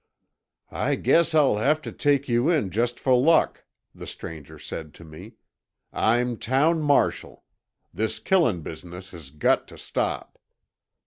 "I guess I'll have to take you in just for luck," the stranger said to me. "I'm town marshal. This killin' business has got t' stop."